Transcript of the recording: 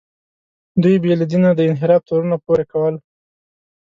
دوی به له دینه د انحراف تورونه پورې کول.